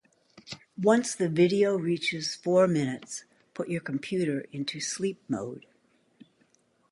Once the video reaches four minutes, put your computer into sleep mode.